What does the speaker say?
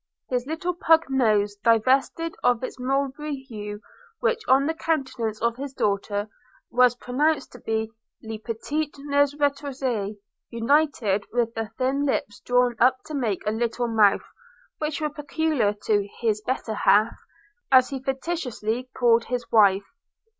His little pug nose, divested of its mulberry hue, which, on the countenance of his daughter, was pronounced to be le petit nez retroussé, united with the thin lips drawn up to make a little mouth, which were peculiar to 'his better half,' as he facetiously called his wife.